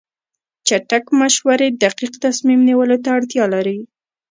چټک مشورې دقیق تصمیم نیولو ته اړتیا لري.